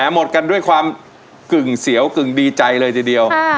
หมดกันด้วยความกึ่งเสียวกึ่งดีใจเลยทีเดียว